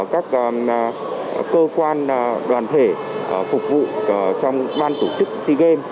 các cơ quan đoàn thể phục vụ trong ban tổ chức sea games